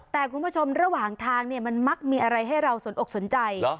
แต่คุณผู้ชมระหว่างทางเนี่ยมันมักมีอะไรให้เราสนอกสนใจ